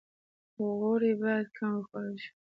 غوړي باید کم وخوړل شي